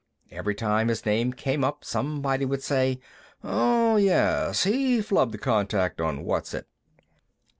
Every time his name came up, somebody would say, "Oh, yes; he flubbed the contact on Whatzit."